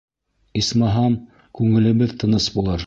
Исмаһам, күңелебеҙ тыныс булыр.